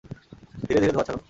ধীরে ধীরে ধোঁয়া ছাড়ো।